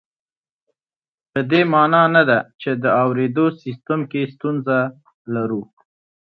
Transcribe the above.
په دې مانا نه ده چې د اورېدو سیستم کې ستونزه لرو